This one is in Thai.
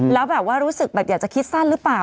แล้วรู้สึกอยากจะคิดสั้นหรือเปล่า